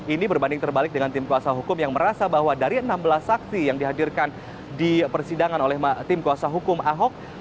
ini berbanding terbalik dengan tim kuasa hukum yang merasa bahwa dari enam belas saksi yang dihadirkan di persidangan oleh tim kuasa hukum ahok